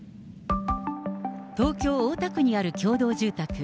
東京・大田区にある共同住宅。